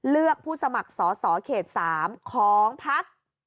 เลือกผู้สมัครสอสอเขต๓ของพัก